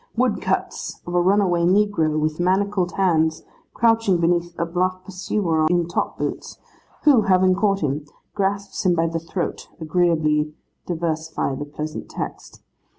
Woodcuts of a runaway negro with manacled hands, crouching beneath a bluff pursuer in top boots, who, having caught him, grasps him by the throat, agreeably diversify the pleasant text.